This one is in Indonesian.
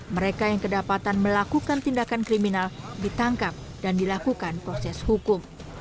mereka yang kedapatan melakukan tindakan kriminal ditangkap dan dilakukan proses hukum